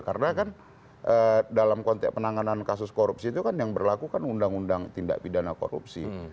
karena kan dalam konteks penanganan kasus korupsi itu kan yang berlaku kan undang undang tindak pidana korupsi